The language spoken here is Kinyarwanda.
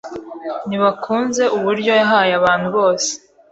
Ntibakunze uburyo yahaye abantu bose.